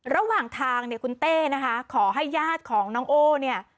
ระหว่างทางเนี่ยคุณเต้นะคะขอให้ญาติของน้องโอ้เนี่ย